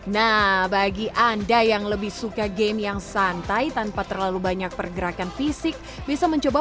nah bagi anda yang lebih suka game yang santai tanpa terlalu banyak pergerakan fisik bisa mencoba